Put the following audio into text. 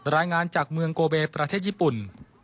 รายงานจากเมืองโกเวย์ประเทศญี่ปุ่น